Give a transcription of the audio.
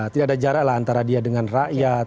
tidak ada jarak lah antara dia dengan rakyat